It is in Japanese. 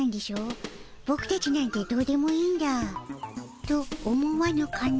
ボクたちなんてどうでもいいんだ」と思わぬかの？